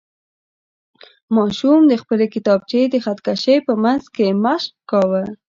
ماشوم د خپلې کتابچې د خط کشۍ په منځ کې مشق کاوه.